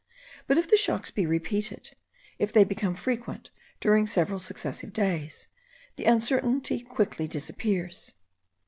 But if the shocks be repeated, if they become frequent during several successive days, the uncertainty quickly disappears.